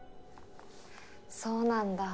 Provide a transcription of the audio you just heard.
そうなんだ。